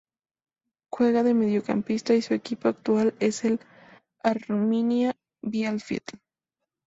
Juega de mediocampista y su equipo actual es el Arminia Bielefeld.